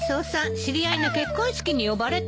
知り合いの結婚式に呼ばれてるのよ。